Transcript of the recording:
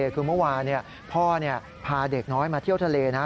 คือเมื่อวานพ่อพาเด็กน้อยมาเที่ยวทะเลนะ